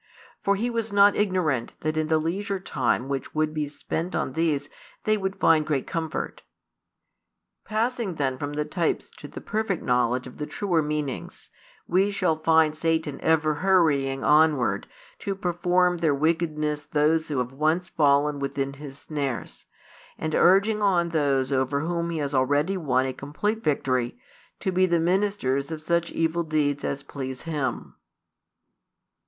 For he was not ignorant that in the leisure time which would be spent on these they would find great comfort. Passing then from the types to the perfect knowledge of the truer meanings, we shall find Satan ever hurrying onward to perform their wickedness those who have once fallen within his snares, and urging on those over whom he has already won a complete victory to be the ministers of such evil deeds as please him.